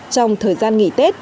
trong thời gian nghỉ tết